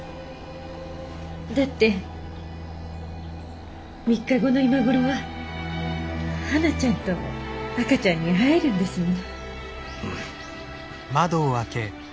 だって３日後の今頃ははなちゃんと赤ちゃんに会えるんですもの。